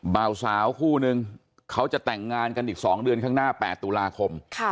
บ่าวสาวคู่นึงเขาจะแต่งงานกันอีก๒เดือนข้างหน้า๘ตุลาคม